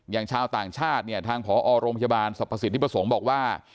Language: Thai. อย่างชาวต่างชาติทางพอโรงพยาบาลสภพศิษฐิปสงฆ์บอกว่า